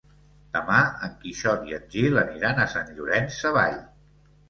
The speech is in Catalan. Demà en Quixot i en Gil aniran a Sant Llorenç Savall.